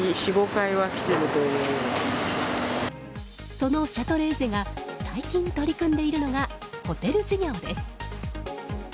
そのシャトレーゼが最近、取り組んでいるのがホテル事業です。